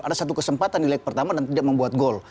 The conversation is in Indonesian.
ada satu kesempatan di leg pertama dan tidak membuat gol